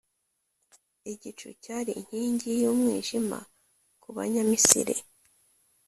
igicu cyari inkingi y’umwijima ku banyamisiri,